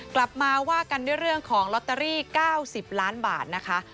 กลับมาว่ากันด้วยเรื่องของลอตเตอรี่๙๐ล้านบาทนะคะ